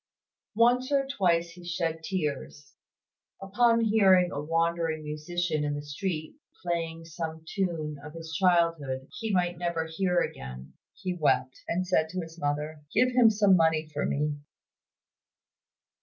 Once or twice he shed tears. Upon hearing a wandering musician in the street playing some tune of his childhood he might never hear again, he wept, and said to his mother, "Give him some money for me!"